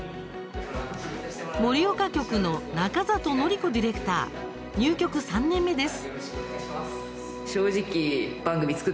盛岡局の中里規子ディレクター入局３年目です。